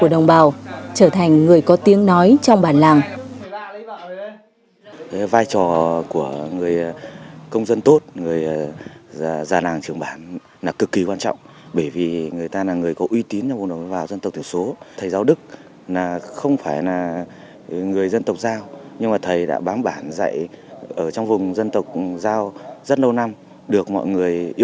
đồng bào trở thành người có tiếng nói trong bàn làng